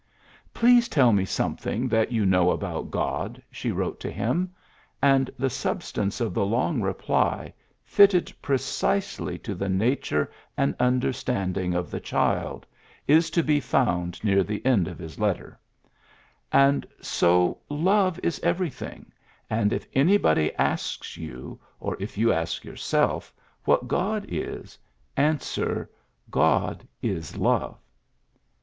^^ Please tell me something that you know about God, '' she wrote to him ; and the substance of the long reply, fitted precisely to the nature and understanding of the child, is to be found near the end of his letter :^' And so love is everything ; and if anybody asks you, or if you ask yourself, what God is, answer, ^God is love.'